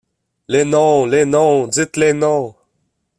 Les noms! les noms ! dites les noms !